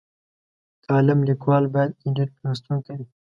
کالم لیکوال باید ابډیټ لوستونکی وي.